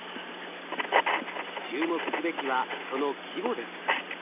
注目すべきはその規模です。